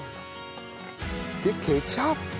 でケチャップ。